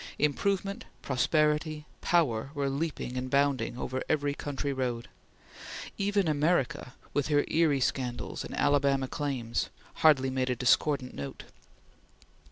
Improvement, prosperity, power, were leaping and bounding over every country road. Even America, with her Erie scandals and Alabama Claims, hardly made a discordant note.